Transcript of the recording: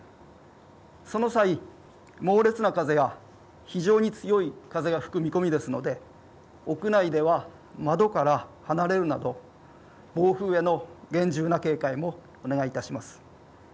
その際、猛烈な風や非常に強い風が吹く見込みですので屋内では窓から離れるなど暴風への厳重な警戒もお願いいたします。